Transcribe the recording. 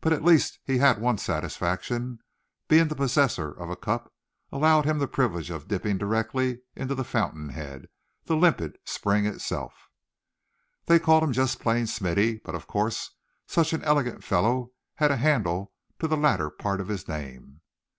But at least he had one satisfaction; being the possessor of a cup allowed him the privilege of dipping directly into the fountain head, the limpid spring itself. They called him just plain "Smithy," but of course such an elegant fellow had a handle to the latter part of his name.